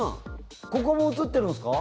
ここも映ってるんですか？